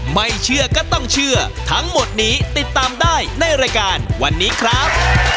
ไม่เชื่อก็ต้องเชื่อทั้งหมดนี้ติดตามได้ในรายการวันนี้ครับ